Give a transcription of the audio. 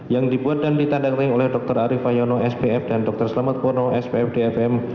yang dibuat dan ditandang oleh dr arief hayono spf dan dr selamat purno spf dfm